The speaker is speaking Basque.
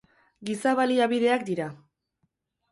Giza baliabideak dira.